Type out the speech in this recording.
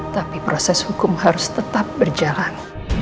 tapi proses hukum harus tetap berjalan